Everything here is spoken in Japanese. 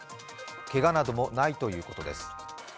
けがなどもないということです。